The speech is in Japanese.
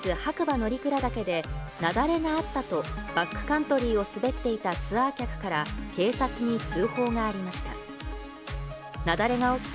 乗鞍岳で雪崩があったと、バックカントリーを滑っていたツアー客から警察に通報がありました。